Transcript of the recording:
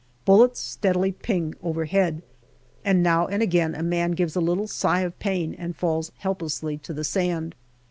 Bullets steadily " ping " overhead, and now and again a man gives a little sigh of pain and falls helplessly to the sand.